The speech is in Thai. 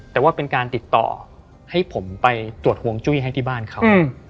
แต่ว่าเป็นการติดต่อให้ผมไปตรวจห่วงจุ้ยให้ที่บ้านเขา